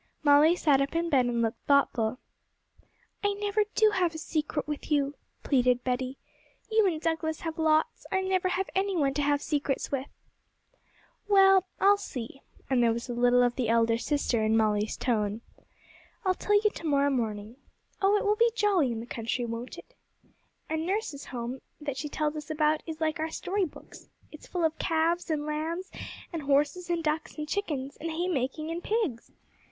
Molly sat up in bed and looked thoughtful. 'I never do have a secret with you,' pleaded Betty. 'You and Douglas have lots; I never have any one to have secrets with.' 'Well, I'll see,' and there was a little of the elder sister in Molly's tone. 'I'll tell you to morrow morning. Oh, it will be jolly in the country, won't it? And nurse's home that she tells us about is like our story books: it's full of calves, and lambs, and horses, and ducks, and chickens, and haymaking, and pigs!'